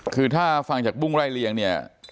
คือถ้าฟังจากบุ้งไล่เลียงเนี่ย